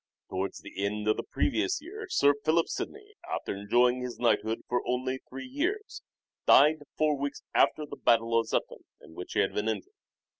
Towards the end of the previous and sir Philip year Sir Philip Sidney, after enjoying his knighthood funeral.5 for only three years, died four weeks after the battle at Zutphen in which he had been injured.